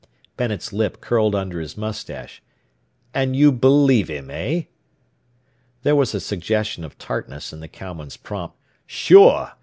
Bennet's lip curled under his moustache. "And you believe him, eh?" There was a suggestion of tartness in the cowman's prompt "Sure!